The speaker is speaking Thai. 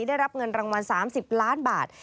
ได้รับเงินรางวัล๓๐ล้านบาท